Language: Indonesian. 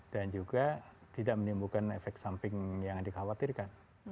dan juga tidak menimbulkan efek samping yang dikhawatirkan